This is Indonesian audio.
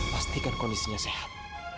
pastikan kondisinya sehat